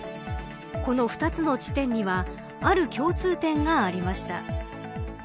この２つの地点にはある共通点がありました。